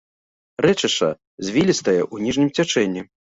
Рэчышча звілістае ў ніжнім цячэнні.